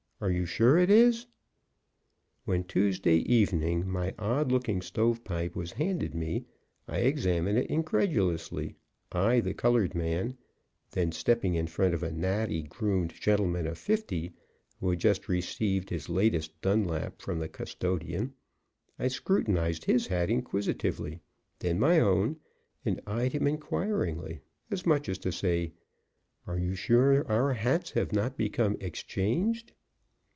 "Are you sure it is?" When, Tuesday evening, my odd looking stove pipe was handed me, I examined it incredulously, eyed the colored man, then stepping in front of a natty groomed gentleman of fifty, who had just received his latest Dunlap from the custodian, I scrutinized his hat inquisitively, then my own, and eyed him inquiringly, as much as to say, "Are you sure our hats have not become exchanged?"